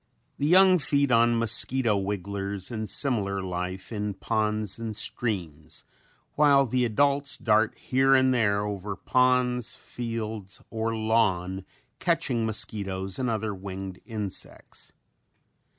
The young feed on mosquito wigglers and similar life in ponds and streams while the adults dart here and there over ponds, fields or lawn catching mosquitoes and other winged insects.